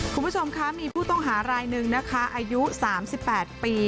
คุณผู้ชมคะมีผู้ต้องหารายหนึ่งนะคะอายุ๓๘ปี